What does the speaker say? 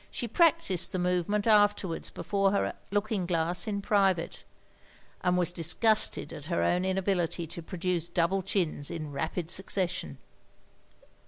She practised the movement afterwards before her looking glass in private, and was disgusted at her own inability to produce double chins in rapid succession.